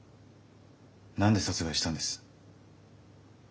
何で殺害したんです？